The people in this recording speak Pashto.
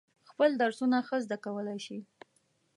خپل درسونه ښه زده کولای شي.